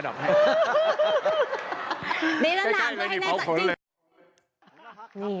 ถามเพื่อให้แน่ใจ